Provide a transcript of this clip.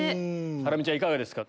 ハラミちゃんいかがですか？